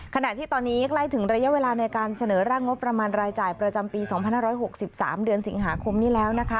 ขณะที่ตอนนี้ใกล้ถึงระยะเวลาในการเสนอร่างงบประมาณรายจ่ายประจำปี๒๕๖๓เดือนสิงหาคมนี้แล้วนะคะ